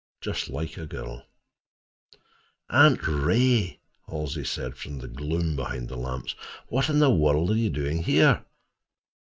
JUST LIKE A GIRL "Aunt Ray!" Halsey said from the gloom behind the lamps. "What in the world are you doing here?"